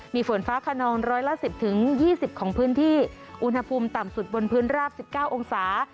มีฝนฟ้าขนองร้อยละ๑๐๒๐ของพื้นที่อุณหภูมิต่ำสุดบนพื้นราบ๑๙องศา